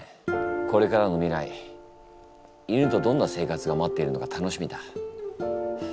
これからの未来犬とどんな生活が待っているのか楽しみだ。